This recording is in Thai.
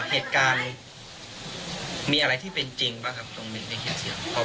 เหตุการณ์มีอะไรที่เป็นจริงบ้างครับตรงนี้เป็นเหตุเสี่ยง